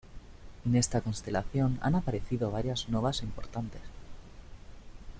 En esta constelación han aparecido varias novas importantes.